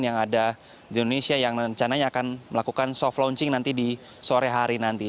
yang ada di indonesia yang rencananya akan melakukan soft launching nanti di sore hari nanti